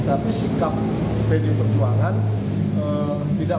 tapi sikap pdi perjuangan tidak